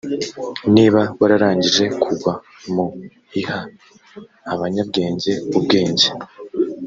niba wararangije kugwa mu iha abanyabwenge ubwenge